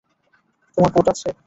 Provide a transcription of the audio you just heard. তোমার কোট আছে?